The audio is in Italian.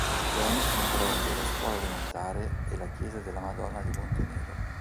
La zona comprende la scuola elementare e la chiesa della Madonna di Montenero.